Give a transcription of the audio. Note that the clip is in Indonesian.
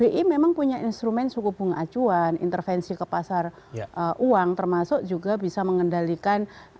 karena instrumen suku bunga acuan intervensi ke pasar uang termasuk juga bisa mengendalikan